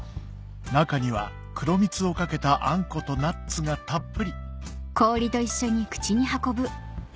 中には黒蜜をかけたあんことナッツがたっぷりん！